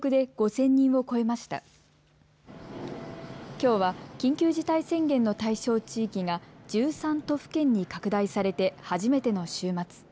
きょうは緊急事態宣言の対象地域が１３都府県に拡大されて初めての週末。